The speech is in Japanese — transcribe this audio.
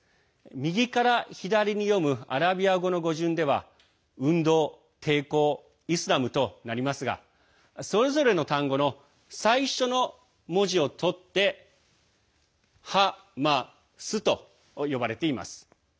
右から左に読むアラビア語の語順では運動、抵抗、イスラムとなりますがそれぞれの単語の最初の文字をとってハマスと呼ばれています。